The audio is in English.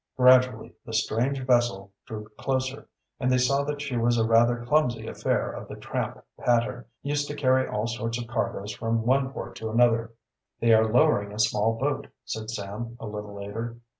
Gradually the strange vessel drew closer, and they saw that she was a rather clumsy affair of the "tramp" pattern, used to carry all sorts of cargoes from one port to another. "They are lowering a small boat," said Sam, a little later.